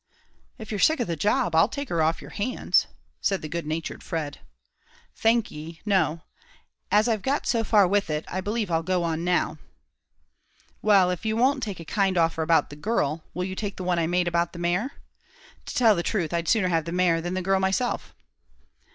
"If you're sick of the job, I'll take her off your hands," said the good natured Fred. "Thank ye, no; as I've got so far with it, I believe I'll go on now." "Well, if you won't take a kind offer about the girl, will you take the one I made about the mare? To tell the truth, I'd sooner have the mare than the girl myself."